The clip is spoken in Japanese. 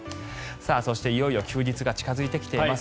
そして、いよいよ休日が近付いてきています。